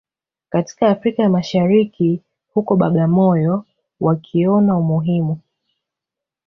katika Afrika ya Mashariki huko Bagamoyo wakiona umuhimu